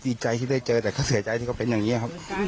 ดีใจที่ได้เจอแต่เขาเสียใจที่เขาเป็นอย่างนี้ครับ